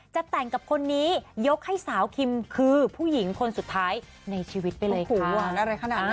จะแต่งกับคนนี้ยกให้สาวคิมคือผู้หญิงคนสุดท้ายในชีวิตไปเลยค่ะ